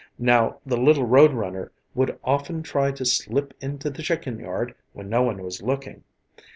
Now, the little road runner would often try to slip into the chicken yard when no one was looking.